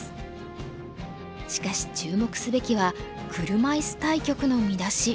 しかし注目すべきは「車イス対局」の見出し。